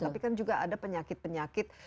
tapi kan juga ada penyakit penyakit